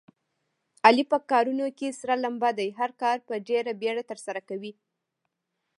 علي په کارونو کې سره لمبه دی. هر کار په ډېره بیړه ترسره کوي.